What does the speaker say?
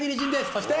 そして。